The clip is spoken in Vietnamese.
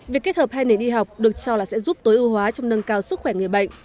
việc kết hợp hai nền y học được cho là sẽ giúp tối ưu hóa trong nâng cao sức khỏe người bệnh